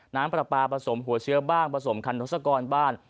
น้ำปลาปลาผสมหัวเชื้อบ้างผสมคันทศกรบ้าง